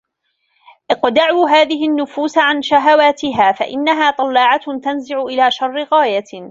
اقْدَعُوا هَذِهِ النُّفُوسَ عَنْ شَهَوَاتِهَا فَإِنَّهَا طَلَّاعَةٌ تَنْزِعُ إلَى شَرِّ غَايَةٍ